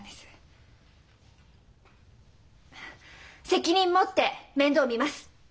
責任持って面倒見ます！